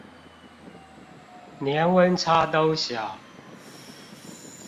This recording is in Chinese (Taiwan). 年溫差都小